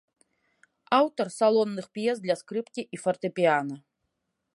Аўтар салонных п'ес для скрыпкі і фартэпіяна.